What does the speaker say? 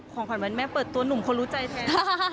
ของขวัญวันแม่เปิดตัวหนุ่มคนรู้ใจแทน